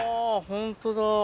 ホントだ。